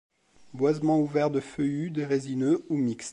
Boisements ouverts de feuillus, de résineux ou mixtes.